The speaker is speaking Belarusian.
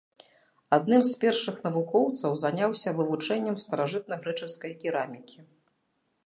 Адным з першых навукоўцаў заняўся вывучэннем старажытнагрэчаскай керамікі.